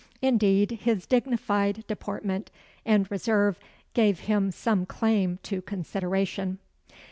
Indeed, his dignified deportment and reserve gave him some claim to consideration.